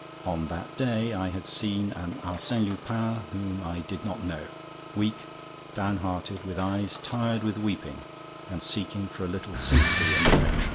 On that day, I had seen an Arsène Lupin whom I did not know, weak, down hearted, with eyes tired with weeping, seeking for a little sympathy and affection.